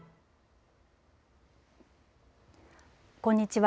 こんにちは。